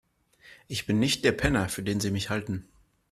Ich bin nicht der Penner, für den Sie mich halten.